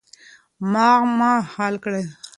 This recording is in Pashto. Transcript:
معما حل کړئ.